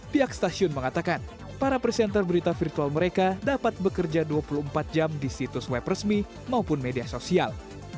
pihak stasiun mengatakan para presenter berita virtual mereka dapat bekerja dua puluh empat jam di situs web resmi maupun media sosial